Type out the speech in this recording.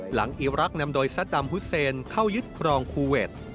หลังอิวรักษ์นำโดยซัตดัมพุทเซนเข้ายึดพรองคูเวท